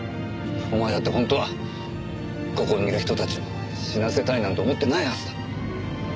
お前だって本当はここにいる人たちを死なせたいなんて思ってないはずだ。